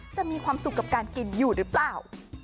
จะมีความสุขกับการกินอยู่หรือเปล่า